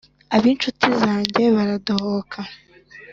Ab'inshuti zanjye baradohoka